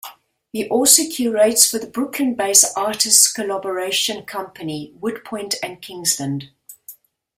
He also curates for the Brooklyn-based artist collaboration company Woodpoint and Kingsland.